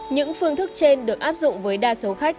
những phương thức trên được áp dụng với đa số khách